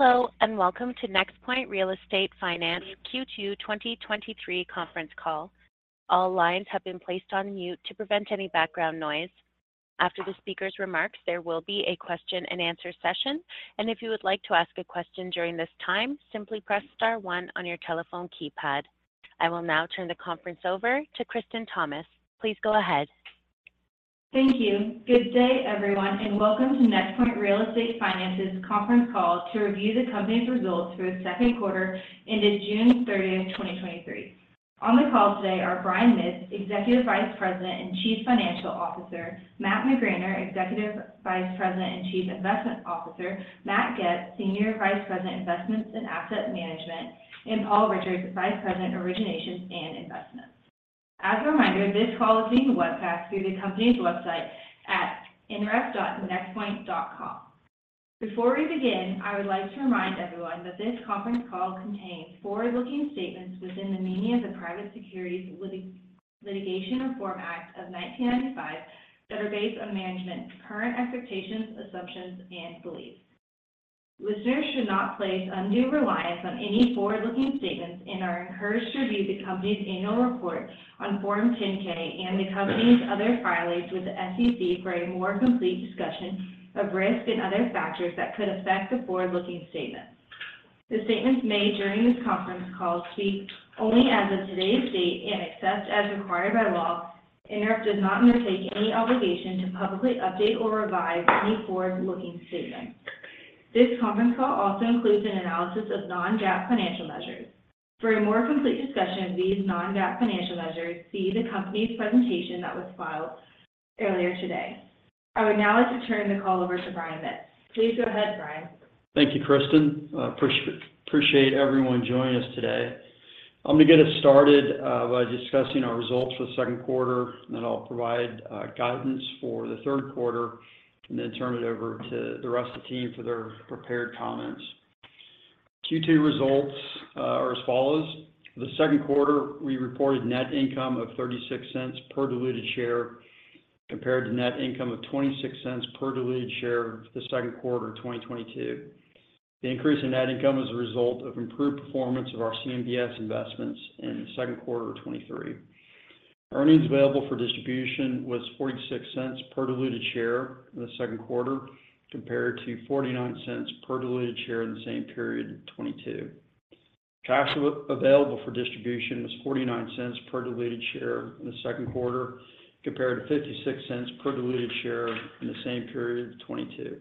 Hello. Welcome to NexPoint Real Estate Finance Q2 2023 conference call. All lines have been placed on mute to prevent any background noise. After the speaker's remarks, there will be a question and answer session. If you would like to ask a question during this time, simply press star one on your telephone keypad. I will now turn the conference over to Kristen Thomas. Please go ahead. Thank you. Good day, everyone, and welcome to NexPoint Real Estate Finance's conference call to review the company's results for the second quarter ended June 30, 2023. On the call today are Brian Mitts, Executive Vice President and Chief Financial Officer, Matt McGraner, Executive Vice President and Chief Investment Officer, Matt Goetz, Senior Vice President, Investments and Asset Management, and Paul Richards, Vice President, Originations and Investments. As a reminder, this call is being webcast through the company's website at nref.nexpoint.com. Before we begin, I would like to remind everyone that this conference call contains forward-looking statements within the meaning of the Private Securities Litigation Reform Act of 1995, that are based on management's current expectations, assumptions, and beliefs. Listeners should not place undue reliance on any forward-looking statements and are encouraged to review the company's annual report on Form 10-K and the company's other filings with the SEC for a more complete discussion of risks and other factors that could affect the forward-looking statements. The statements made during this conference call speak only as of today's date, and except as required by law, NREF does not undertake any obligation to publicly update or revise any forward-looking statement. This conference call also includes an analysis of non-GAAP financial measures. For a more complete discussion of these non-GAAP financial measures, see the company's presentation that was filed earlier today. I would now like to turn the call over to Brian Mitts. Please go ahead, Brian. Thank you, Kristen. Appreciate everyone joining us today. I'm going to get us started by discussing our results for the second quarter. I'll provide guidance for the third quarter, then turn it over to the rest of the team for their prepared comments. Q2 results are as follows: For the second quarter, we reported net income of $0.36 per diluted share, compared to net income of $0.26 per diluted share the second quarter of 2022. The increase in net income was a result of improved performance of our CMBS investments in the second quarter of 2023. Earnings Available for Distribution was $0.46 per diluted share in the second quarter, compared to $0.49 per diluted share in the same period in 2022. Cash Available for Distribution was $0.49 per diluted share in the second quarter, compared to $0.56 per diluted share in the same period in 2022.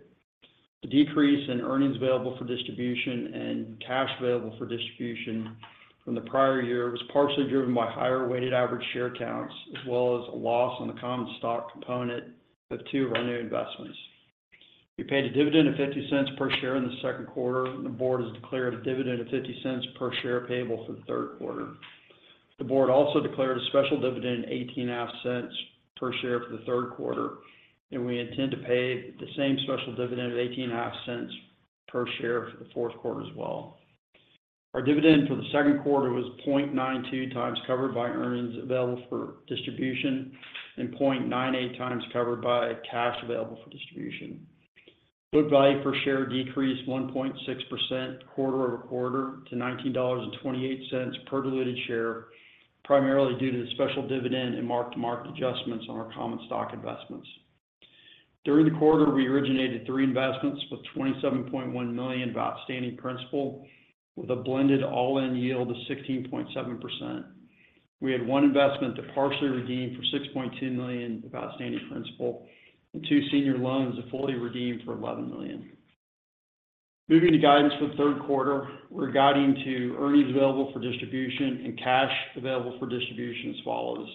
The decrease in Earnings Available for Distribution and Cash Available for Distribution from the prior year was partially driven by higher weighted average share counts, as well as a loss on the common stock component of two of our new investments. We paid a dividend of $0.50 per share in the second quarter. The board has declared a dividend of $0.50 per share payable for the third quarter. The board also declared a special dividend of $0.185 per share for the third quarter. We intend to pay the same special dividend of $0.185 per share for the fourth quarter as well. Our dividend for the second quarter was 0.92x covered by Earnings Available for Distribution and 0.98x covered by Cash Available for Distribution. Book value per share decreased 1.6% quarter-over-quarter to $19.28 per diluted share, primarily due to the special dividend and mark-to-market adjustments on our common stock investments. During the quarter, we originated three investments with $27.1 million of outstanding principal, with a blended all-in yield of 16.7%. We had one investment to partially redeem for $6.2 million of outstanding principal and two senior loans to fully redeem for $11 million. Moving to guidance for the third quarter, we're guiding to Earnings Available for Distribution and Cash Available for Distribution as follows: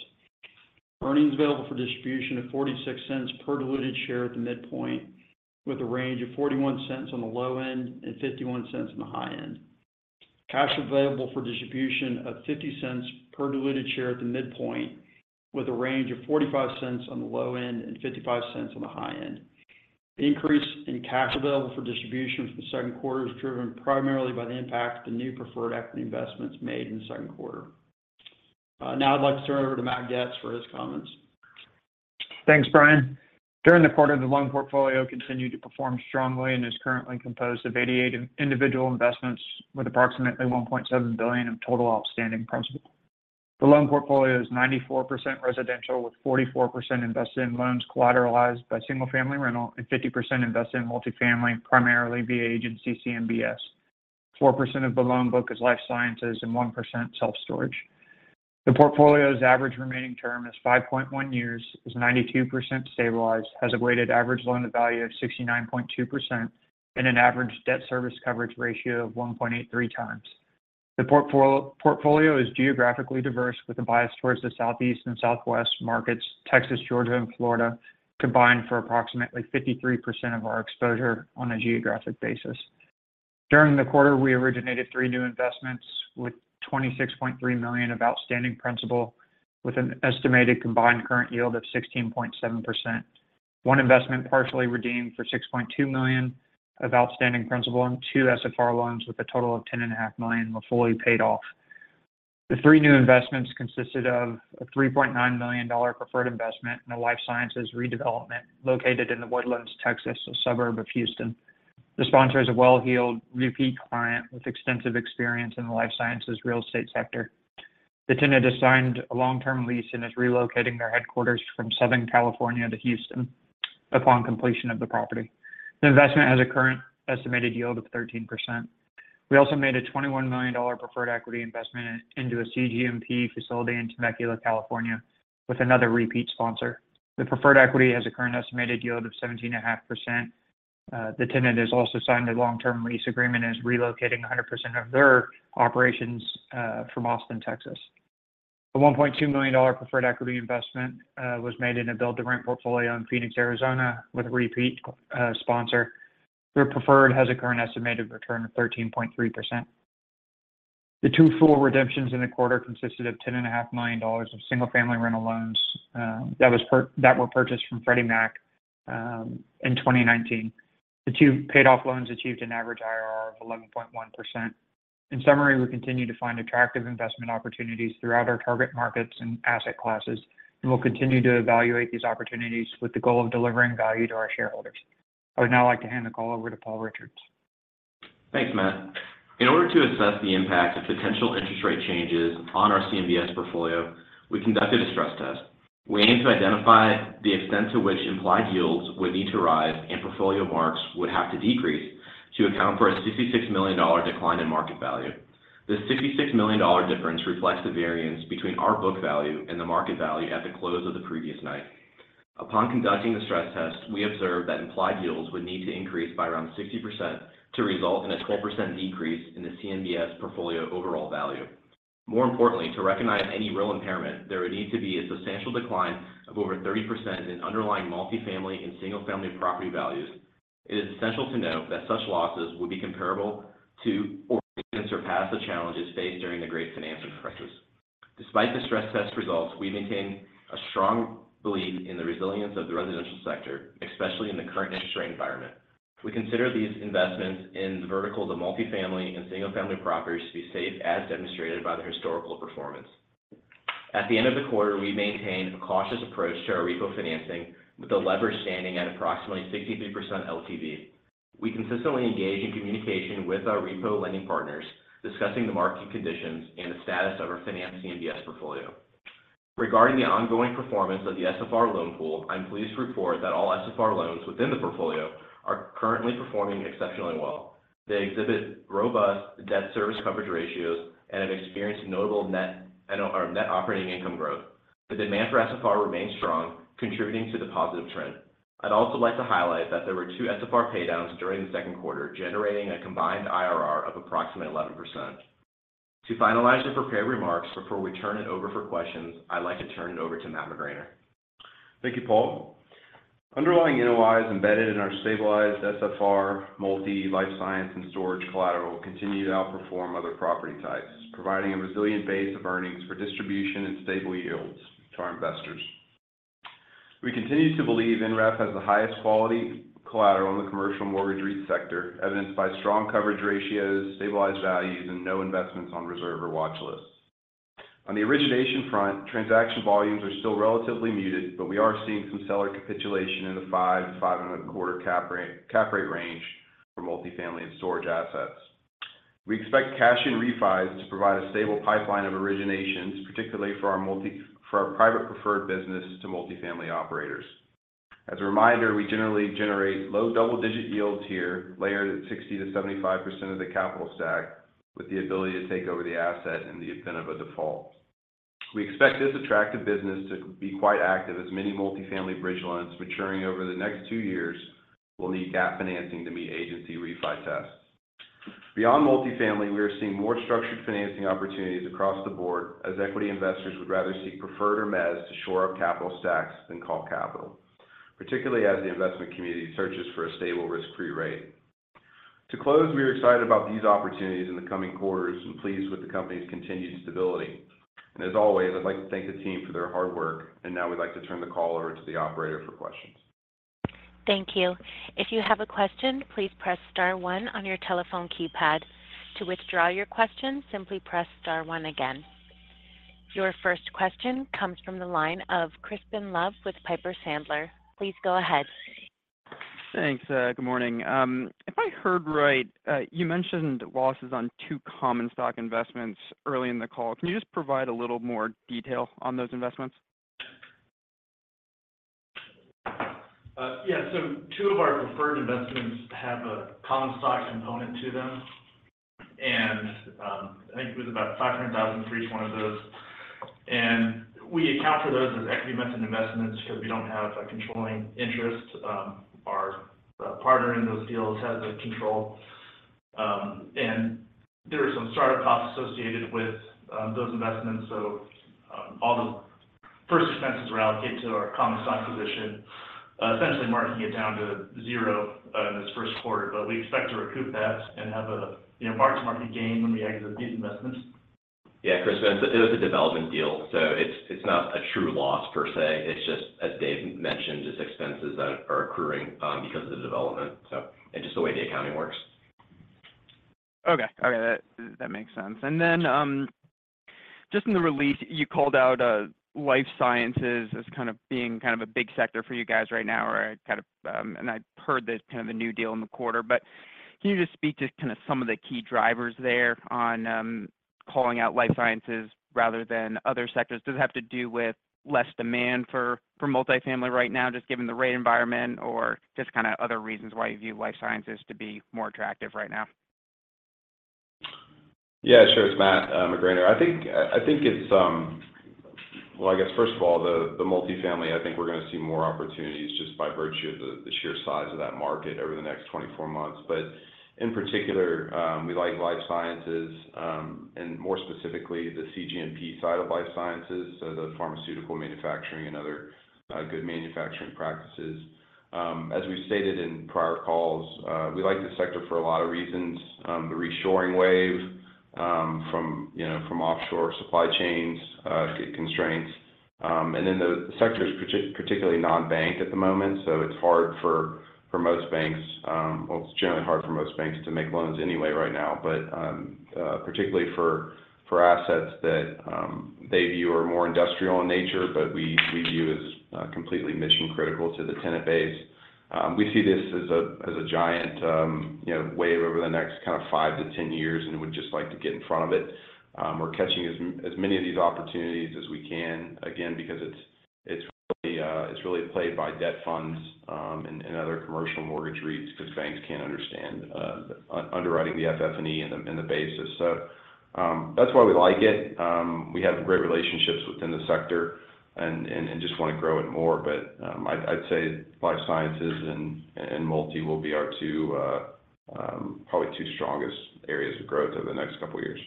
Earnings Available for Distribution of $0.46 per diluted share at the midpoint, with a range of $0.41 on the low end and $0.51 on the high end. Cash Available for Distribution of $0.50 per diluted share at the midpoint, with a range of $0.45 on the low end and $0.55 on the high end. The increase in Cash Available for Distribution from the second quarter is driven primarily by the impact of the new preferred equity investments made in the second quarter. Now I'd like to turn it over to Matt Goetz for his comments. Thanks, Brian. During the quarter, the loan portfolio continued to perform strongly and is currently composed of 88 individual investments, with approximately $1.7 billion in total outstanding principal. The loan portfolio is 94% residential, with 44% invested in loans collateralized by single-family rental and 50% invested in multifamily, primarily via agency CMBS. 4% of the loan book is life sciences and 1% self-storage. The portfolio's average remaining term is 5.1 years, is 92% stabilized, has a weighted average loan to value of 69.2% and an average debt service coverage ratio of 1.83x. The portfolio is geographically diverse, with a bias towards the Southeast and Southwest markets. Texas, Georgia, and Florida combined for approximately 53% of our exposure on a geographic basis. During the quarter, we originated three new investments with $26.3 million of outstanding principal, with an estimated combined current yield of 16.7%. One investment partially redeemed for $6.2 million of outstanding principal, and two SFR loans with a total of $10.5 million were fully paid off. The three new investments consisted of a $3.9 million preferred investment in a life sciences redevelopment located in the Woodlands, Texas, a suburb of Houston. The sponsor is a well-heeled repeat client with extensive experience in the life sciences real estate sector. The tenant has signed a long-term lease and is relocating their headquarters from Southern California to Houston upon completion of the property. The investment has a current estimated yield of 13%. We also made a $21 million preferred equity investment into a cGMP facility in Temecula, California, with another repeat sponsor. The preferred equity has a current estimated yield of 17.5%. The tenant has also signed a long-term lease agreement and is relocating 100% of their operations from Austin, Texas. The $1.2 million preferred equity investment was made in a build-to-rent portfolio in Phoenix, Arizona, with a repeat sponsor. Their preferred has a current estimated return of 13.3%. The two full redemptions in the quarter consisted of $10.5 million of single-family rental loans that were purchased from Freddie Mac in 2019. The two paid off loans achieved an average IRR of 11.1%. In summary, we continue to find attractive investment opportunities throughout our target markets and asset classes. We'll continue to evaluate these opportunities with the goal of delivering value to our shareholders. I would now like to hand the call over to Paul Richards. Thanks, Matt. In order to assess the impact of potential interest rate changes on our CMBS portfolio, we conducted a stress test. We aimed to identify the extent to which implied yields would need to rise, and portfolio marks would have to decrease to account for a $66 million decline in market value. This $66 million difference reflects the variance between our book value and the market value at the close of the previous night. Upon conducting the stress test, we observed that implied yields would need to increase by around 60% to result in a 12% decrease in the CMBS portfolio overall value. More importantly, to recognize any real impairment, there would need to be a substantial decline of over 30% in underlying multifamily and single-family property values. It is essential to note that such losses would be comparable to or even surpass the challenges faced during the great financial crisis. Despite the stress test results, we maintain a strong belief in the resilience of the residential sector, especially in the current interest rate environment. We consider these investments in the verticals of multifamily and single-family properties to be safe, as demonstrated by their historical performance. At the end of the quarter, we maintained a cautious approach to our repo financing, with the leverage standing at approximately 63% LTV. We consistently engage in communication with our repo lending partners, discussing the market conditions and the status of our finance CMBS portfolio. Regarding the ongoing performance of the SFR loan pool, I'm pleased to report that all SFR loans within the portfolio are currently performing exceptionally well. They exhibit robust debt service coverage ratios and have experienced notable net operating income growth. The demand for SFR remains strong, contributing to the positive trend. I'd also like to highlight that there were two SFR paydowns during the second quarter, generating a combined IRR of approximately 11%. To finalize the prepared remarks before we turn it over for questions, I'd like to turn it over to Matt McGraner. Thank you, Paul. Underlying NOIs embedded in our stabilized SFR, multi, life science, and storage collateral continue to outperform other property types, providing a resilient base of earnings for distribution and stable yields to our investors. We continue to believe NREF has the highest quality collateral in the commercial mortgage REIT sector, evidenced by strong coverage ratios, stabilized values, and no investments on reserve or watch lists. On the origination front, transaction volumes are still relatively muted, but we are seeing some seller capitulation in the 5%‑5.25% cap rate range for multifamily and storage assets. We expect cash and refis to provide a stable pipeline of originations, particularly for our private preferred business to multifamily operators. As a reminder, we generally generate low double-digit yields here, layered at 60%-75% of the capital stack, with the ability to take over the asset in the event of a default. We expect this attractive business to be quite active, as many multifamily bridge loans maturing over the next two years will need gap financing to meet agency refi tests. Beyond multifamily, we are seeing more structured financing opportunities across the board, as equity investors would rather seek preferred or mezz to shore up capital stacks than call capital, particularly as the investment community searches for a stable risk-free rate. To close, we are excited about these opportunities in the coming quarters and pleased with the company's continued stability. As always, I'd like to thank the team for their hard work, and now we'd like to turn the call over to the operator for questions. Thank you. If you have a question, please press star one on your telephone keypad. To withdraw your question, simply press star one again. Your first question comes from the line of Crispin Love with Piper Sandler. Please go ahead. Thanks, good morning. If I heard right, you mentioned losses on two common stock investments early in the call. Can you just provide a little more detail on those investments? Yeah. Two of our preferred investments have a common stock component to them, and I think it was about $500,000 for each one of those. We account for those as equity method investments because we don't have a controlling interest. Our partner in those deals has the control, and there are some startup costs associated with those investments. All the first expenses were allocated to our common stock position, essentially marking it down to zero in this first quarter. We expect to recoup that and have a, you know, mark-to-market gain when we exit these investments. Crispin, it was a development deal. It's not a true loss per se. It's just, as Dave mentioned, expenses that are accruing because of the development and just the way the accounting works. Okay, that makes sense. Then, just in the release, you called out life sciences as kind of being kind of a big sector for you guys right now, or kind of... I've heard that kind of a new deal in the quarter. Can you just speak to kind of some of the key drivers there on calling out life sciences rather than other sectors? Does it have to do with less demand for multifamily right now, just given the rate environment, or just kind of other reasons why you view life sciences to be more attractive right now? Yeah, sure. It's Matt McGraner. Well, I guess, first of all, the multifamily, I think we're going to see more opportunities just by virtue of the sheer size of that market over the next 24 months. In particular, we like life sciences, and more specifically, the cGMP side of life sciences, so the pharmaceutical manufacturing and other good manufacturing practices. As we stated in prior calls, we like this sector for a lot of reasons. The reshoring wave, from, you know, from offshore supply chains, constraints. The sector is particularly non-bank at the moment, so it's hard for most banks. It's generally hard for most banks to make loans anyway right now, but particularly for assets that they view are more industrial in nature, but we view as completely mission-critical to the tenant base. We see this as a giant, you know, wave over the next five-10 years. We would just like to get in front of it. We're catching as many of these opportunities as we can, again, because it's really played by debt funds and other commercial mortgage REITs, because banks can't understand underwriting the FF&E and the basis. That's why we like it. We have great relationships within the sector and just want to grow it more. I'd say life sciences and multi will be our two, probably two strongest areas of growth over the next couple of years.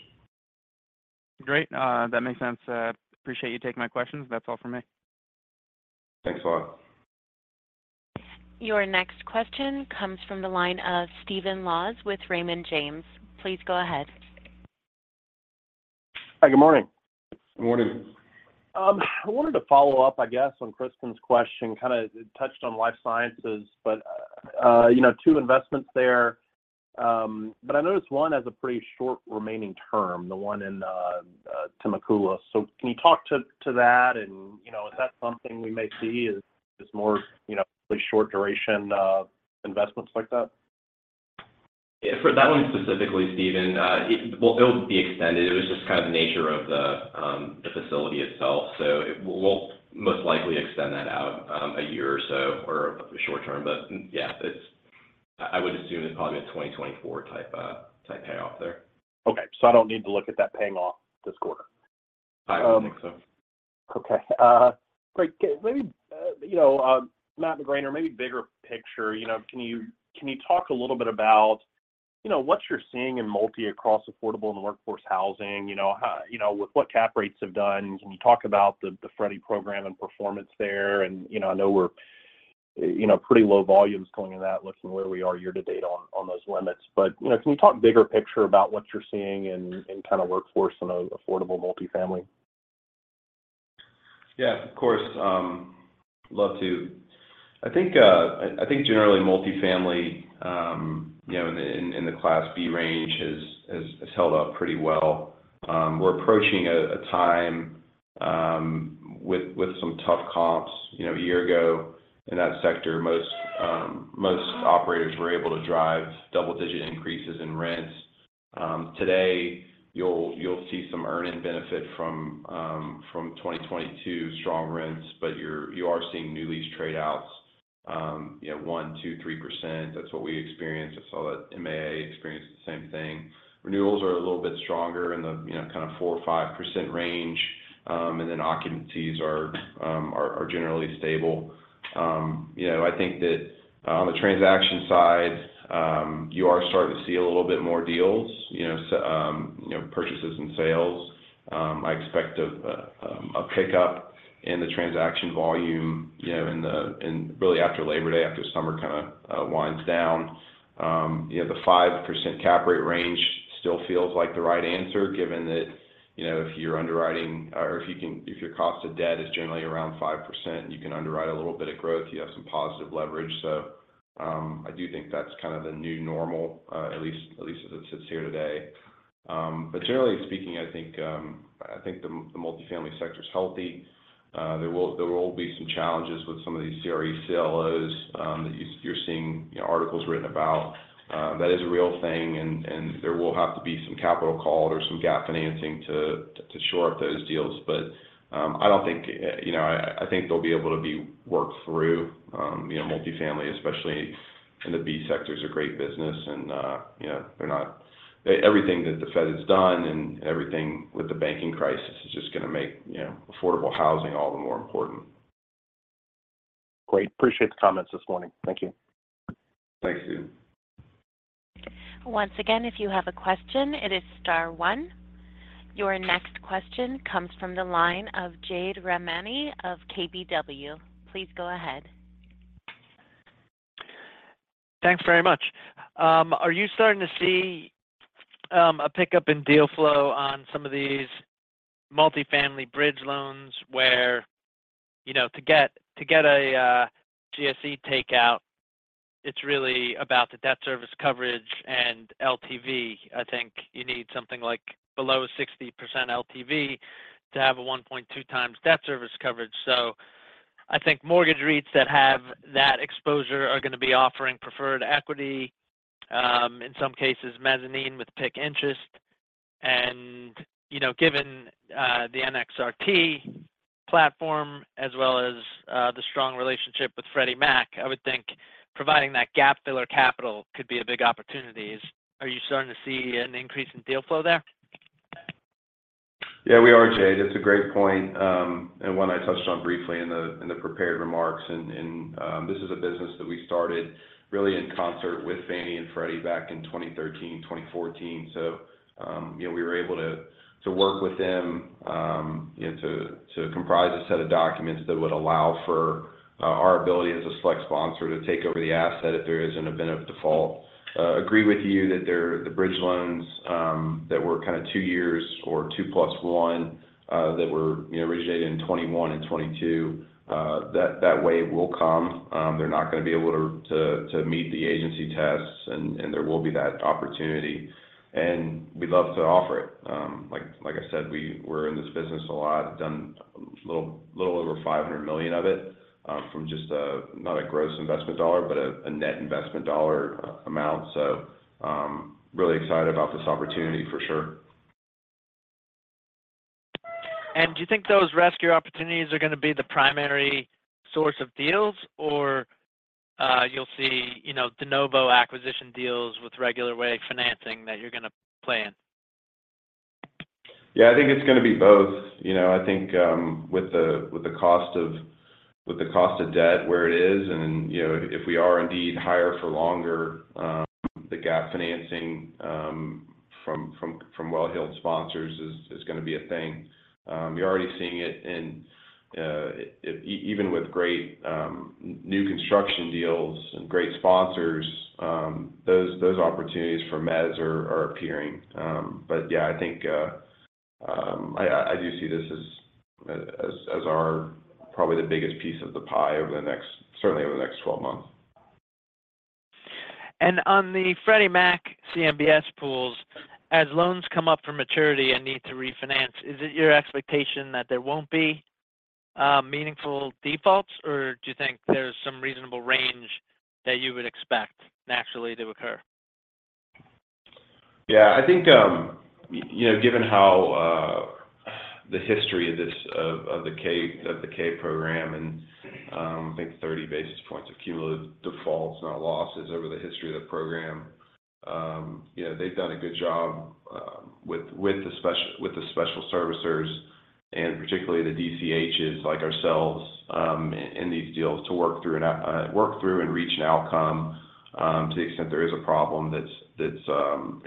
Great. That makes sense. Appreciate you taking my questions. That's all for me. Thanks a lot. Your next question comes from the line of Stephen Laws with Raymond James. Please go ahead. Hi, good morning. Good morning. I wanted to follow up, I guess, on Kristen's question, kind of touched on life sciences, but 2 investments there. I noticed one has a pretty short remaining term, the one in Temecula. Can you talk to that and, is that something we may see, is more short duration investments like that? Yeah. For that one specifically, Stephen, Well, it'll be extended. It was just kind of nature of the, the facility itself, so we'll most likely extend that out, a year or so, or short term. Yeah, I would assume it's probably a 2024 type, type payoff there. Okay. I don't need to look at that paying off this quarter? I don't think so. Okay, great. Maybe, you know, Matt McGraner, or maybe bigger picture, you know, can you, can you talk a little bit about, you know, what you're seeing in multi across affordable and workforce housing? You know, with what cap rates have done, can you talk about the Freddie program and performance there? You know, I know we're, you know, pretty low volumes going in that looking where we are year to date on, on those limits. You know, can you talk bigger picture about what you're seeing in, in kind of workforce and affordable multifamily? Yeah, of course. Love to. I think generally multifamily, you know, in the Class B range has held up pretty well. We're approaching a time with some tough comps. You know, a year ago in that sector, most operators were able to drive double-digit increases in rents. Today, you'll see some earn-in benefit from 2022 strong rents, but you are seeing new lease trade outs, you know, 1%, 2%, 3%. That's what we experienced. I saw that MAA experienced the same thing. Renewals are a little bit stronger in the, you know, kind of 4% or 5% range, and then occupancies are generally stable. you know, I think that on the transaction side, you are starting to see a little bit more deals, you know, purchases and sales. I expect a pickup in the transaction volume, you know, and really after Labor Day, after summer kind of winds down. you know, the 5% cap rate range still feels like the right answer, given that, you know, if you're underwriting or if your cost of debt is generally around 5%, and you can underwrite a little bit of growth, you have some positive leverage. I do think that's kind of the new normal, at least, at least as it sits here today. Generally speaking, I think, I think the, the multifamily sector is healthy. There will be some challenges with some of these CRE CLOs that you're seeing, you know, articles written about. That is a real thing, and there will have to be some capital called or some gap financing to shore up those deals. You know, I think they'll be able to be worked through. You know, multifamily, especially in the B sector, is a great business, and, you know, they're not. Everything that the Fed has done and everything with the banking crisis is just going to make, you know, affordable housing all the more important. Great. Appreciate the comments this morning. Thank you. Thanks, Stephen. Once again, if you have a question, it is star one. Your next question comes from the line of Jade Rahmani of KBW. Please go ahead. Thanks very much. Are you starting to see a pickup in deal flow on some of these multifamily bridge loans? you know, to get a GSE takeout, it's really about the debt service coverage and LTV. I think you need something like below 60% LTV to have a 1.2x debt service coverage. I think mortgage REITs that have that exposure are going to be offering preferred equity, in some cases, mezzanine with PIK interest. You know, given the NXRT platform, as well as the strong relationship with Freddie Mac, I would think providing that gap filler capital could be a big opportunity. Are you starting to see an increase in deal flow there? Yeah, we are, Jade. That's a great point, and one I touched on briefly in the prepared remarks. And this is a business that we started really in concert with Fannie and Freddie back in 2013, 2014. You know, we were able to work with them, you know, to comprise a set of documents that would allow for our ability as a Select Sponsor to take over the asset if there is an event of default. Agree with you that the bridge loans, that were kind of two years or two plus one, that were, you know, originated in 2021 and 2022, that wave will come. They're not going to be able to meet the agency tests, there will be that opportunity, and we'd love to offer it. Like I said, we're in this business a lot, done a little over $500 million of it, from just a, not a gross investment dollar, but a net investment dollar amount. Really excited about this opportunity for sure. Do you think those rescue opportunities are going to be the primary source of deals, or you'll see, you know, de novo acquisition deals with regular warehouse financing that you're going to plan? I think it's going to be both. You know, I think, with the cost of debt where it is, and, you know, if we are indeed higher for longer, the gap financing from well-heeled sponsors is going to be a thing. You're already seeing it even with great new construction deals and great sponsors, those opportunities for mezz are appearing. I think I do see this as our probably the biggest piece of the pie certainly over the next 12 months. On the Freddie Mac CMBS pools, as loans come up for maturity and need to refinance, is it your expectation that there won't be meaningful defaults, or do you think there's some reasonable range that you would expect naturally to occur? Yeah, I think, you know, given how the history of the K program, and, I think 30 basis points of cumulative defaults, not losses, over the history of the program, you know, they've done a good job with the special servicers, and particularly the DCHs like ourselves, in these deals, to work through and reach an outcome, to the extent there is a problem that's,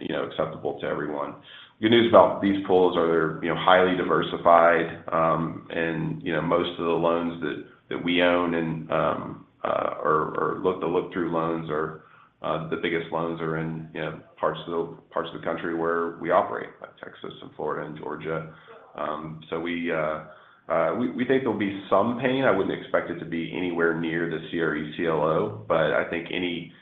you know, acceptable to everyone. Good news about these pools are they're, you know, highly diversified, and, you know, most of the loans that we own and, or look-to-look through loans are, the biggest loans are in, you know, parts of the country where we operate, like Texas and Florida and Georgia. We think there'll be some pain. I wouldn't expect it to be anywhere near the CRE CLO, but I think any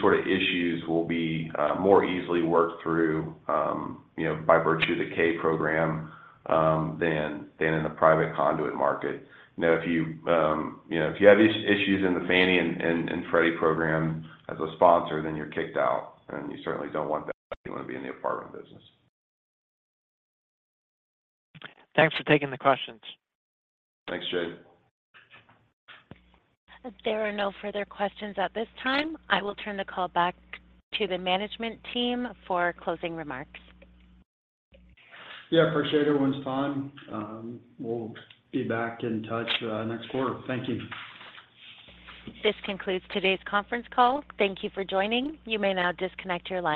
sort of issues will be more easily worked through, you know, by virtue of the K program, than in the private conduit market. You know, if you, you know, if you have issues in the Fannie and Freddie program as a sponsor, then you're kicked out, and you certainly don't want that. You want to be in the apartment business. Thanks for taking the questions. Thanks, Jade. There are no further questions at this time. I will turn the call back to the management team for closing remarks. Appreciate everyone's time. We'll be back in touch next quarter. Thank you. This concludes today's conference call. Thank you for joining. You may now disconnect your line.